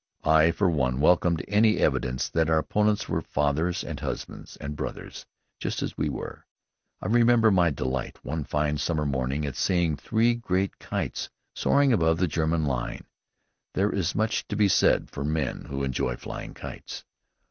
I for one welcomed any evidence that our opponents were fathers and husbands and brothers just as we were. I remember my delight, one fine summer morning, at seeing three great kites soaring above the German line. There is much to be said for men who enjoy flying kites.